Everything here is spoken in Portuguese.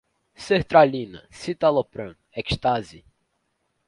sertralina, citalopram, ecstazy